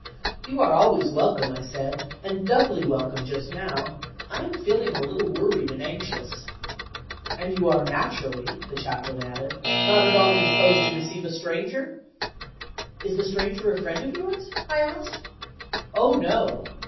"You are always welcome," I said; "and doubly welcome just now. I am feeling a little worried and anxious." "And you are naturally," the Chaplain added, "not at all disposed to receive a stranger?" "Is the stranger a friend of yours?" I asked. "Oh, no!